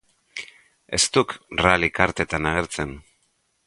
Ez duk rallye kartetan agertzen.